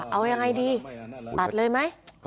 เอายังไงดีตัดเลยไหม